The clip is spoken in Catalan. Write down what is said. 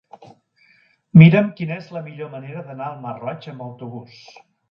Mira'm quina és la millor manera d'anar al Masroig amb autobús.